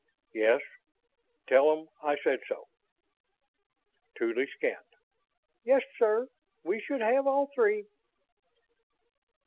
"Yes. Tell 'em I said so." Tuly scanned. "Yes, sir, we should have all three."